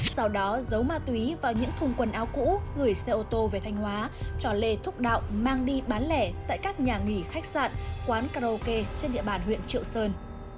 sau đó giấu ma túy vào những thùng quần áo cũ gửi xe ô tô về thanh hóa cho lê thúc đạo mang đi bán lẻ tại các nhà nghỉ khách sạn quán karaoke trên địa bàn huyện triệu sơn